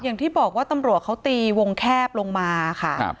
อย่างที่บอกว่าตำรวจเขาตีวงแคบลงมาค่ะ